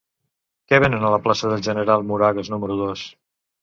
Què venen a la plaça del General Moragues número dos?